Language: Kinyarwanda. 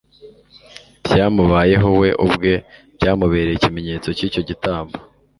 Ibyamubayeho we ubwe byamubereye ikimenyetso cy'icyo gitambo.